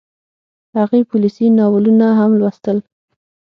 هغې پوليسي ناولونه هم لوستل